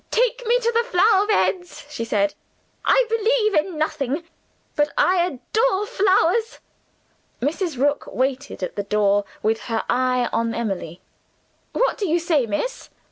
"Take me to the flower beds," she said. "I believe in nothing but I adore flowers." Mrs. Rook waited at the door, with her eye on Emily. "What do you say, miss?"